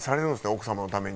奥様のために。